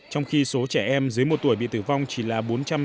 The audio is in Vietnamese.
trong khi số trẻ em dưới một tuổi bị tử vong chỉ là bốn trăm sáu mươi một